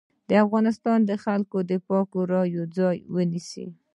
د افغانستان د خلکو د پاکو رايو ځای ونيسي.